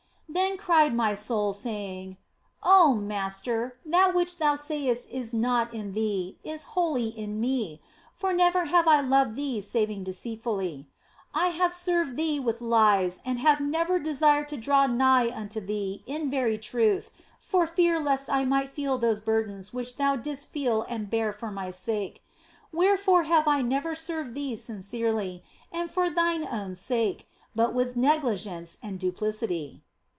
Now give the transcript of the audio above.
Then cried my soul, saying, " Oh Master, that which Thou sayest is not in Thee, is wholly in me ; for never have I loved Thee saving deceitfully. I have served Thee with lies and I have never desired to draw nigh unto Thee in very truth for fear lest I might feel those burdens which Thou didst feel and bear for my sake. Wherefore have I never served Thee sincerely and for Thine own sake, but with negligence and duplicity."